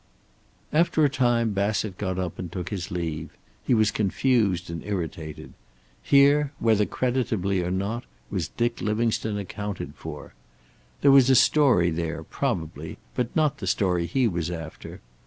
After a time Bassett got up and took his leave. He was confused and irritated. Here, whether creditably or not, was Dick Livingstone accounted for. There was a story there, probably, but not the story he was after.